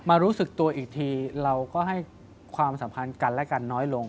รู้สึกตัวอีกทีเราก็ให้ความสัมพันธ์กันและกันน้อยลง